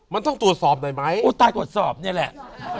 มันต้องตรวจสอบหน่อยไหมโอ้ตายตรวจสอบนี่แหละ